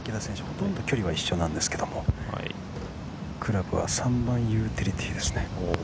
ほとんど距離は一緒なんですけど、クラブは３番ユーティリティーですね。